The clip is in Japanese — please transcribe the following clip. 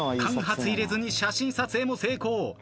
間髪入れずに写真撮影も成功。